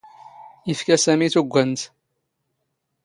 ⵉⴼⴽⴰ ⵙⴰⵎⵉ ⵜⵓⴳⴳⴰ ⵏⵏⵙ.